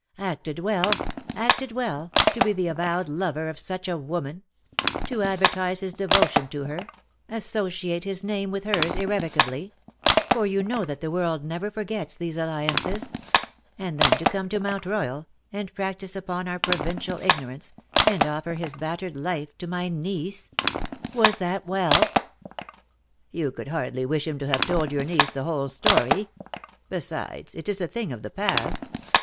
''''" Acted well !— acted well, to be the avowed lover of such a woman !— to advertise his devotion to her — associate his name with hers irrevocably — for you know that the world never forgets these alliances — and then to come to Mount Royal, and practise upon our provincial ignorance, and offer his bat tered life to my niece ! Was that well T' " You could hardly wish him to have told your niece the whole story. Besides, it is a thing of the past.